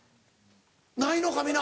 ないのか皆。